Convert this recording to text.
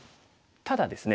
ただですね